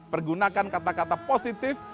pergunakan kata kata positif